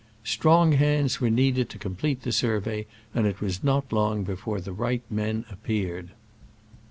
Strong hands were needed to complete the survey, and it was not long before the right men appeared.